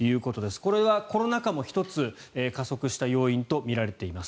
これはコロナ禍も、１つ加速した要因とみられています。